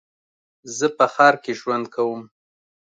زه په ښار کې ژوند کوم.